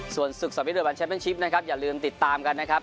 ส่วนศึกสำริดวันแชมเป็นชิปนะครับอย่าลืมติดตามกันนะครับ